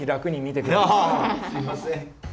あすいません。